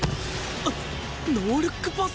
あっノールックパス！？